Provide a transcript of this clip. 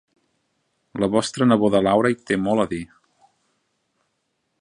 La vostra neboda Laura hi té molt a dir.